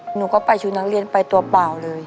หนูก็ไปชุดนักเรียนไปตัวเปล่าเลย